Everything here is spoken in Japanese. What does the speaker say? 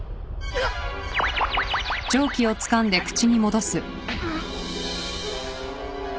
あっんっ。